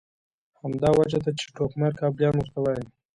همدا وجه ده چې ټوکمار کابلیان ورته وایي.